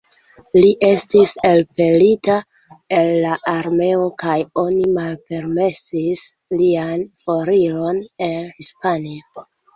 Li estis elpelita el la armeo kaj oni malpermesis lian foriron el Hispanio.